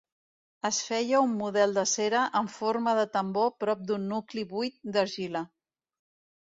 Es feia un model de cera en forma de tambor prop d'un nucli buit d'argila.